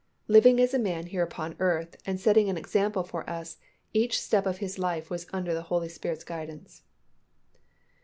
Living as a man here upon earth and setting an example for us, each step of His life was under the Holy Spirit's guidance.